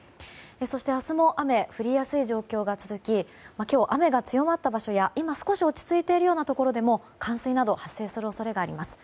そして明日も雨が降りやすい状況が続き今日、雨が強まった場所や今少し落ち着いている場所でも冠水など発生する恐れがあります。